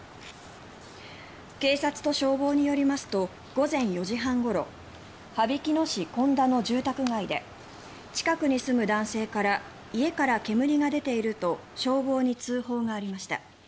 警察と消防によりますと午前４時半ごろ羽曳野市誉田の住宅街で近くに住む男性から家から煙が出ていると消防に通報がありました。